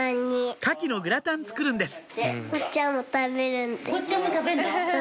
カキのグラタン作るんですえっ